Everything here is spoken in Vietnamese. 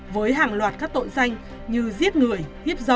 với hàng loạt các tội danh như giết người hiếp dâm bắt cóc